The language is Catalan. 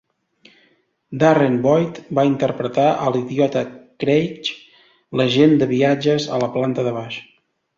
Darren Boyd va interpretar a l'idiota Craig, l'agent de viatges a la planta de baix.